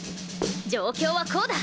状況はこうだ。